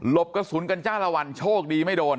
บกระสุนกันจ้าละวันโชคดีไม่โดน